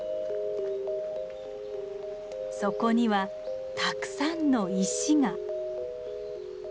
そこにはたくさんの石が。